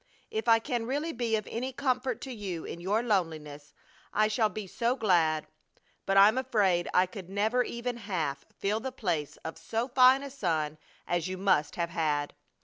If I can really be of any comfort to you in your loneliness I shall be so glad. But I'm afraid I could never even half fill the place of so fine a son as you must have had.